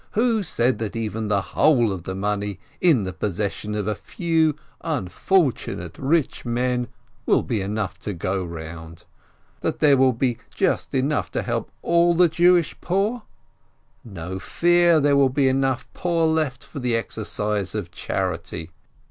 Who said that even the whole of the money in the possession of a few unfortunate rich men will be enough to go round? That there will be just enough to help all the Jewish poor? No fear, there will be enough poor left for the exercise of charity.